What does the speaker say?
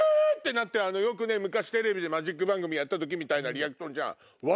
なって昔テレビでマジック番組やった時みたいなリアクション。